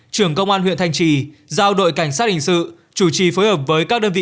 trưởng công an huyện thanh trì giao đội cảnh sát hình sự chủ trì phối hợp với các đơn vị